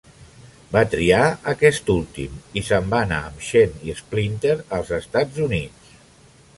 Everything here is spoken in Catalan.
Va triar aquest últim, i se'n va anar amb Shen i Splinter als Estats Units.